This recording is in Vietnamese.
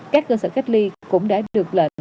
các cơ sở cách ly cũng đã được lệnh